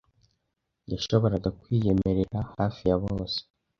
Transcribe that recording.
Yashoboraga kwiyemerera hafi ya bose.